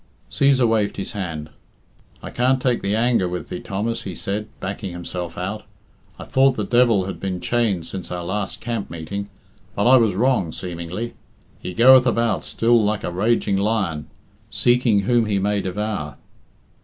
Cæsar waved his hand. "I can't take the anger with thee, Thomas," he said, backing himself out. "I thought the devil had been chained since our last camp meeting, but I was wrong seemingly. He goeth about still like a raging lion, seeking whom he may devour."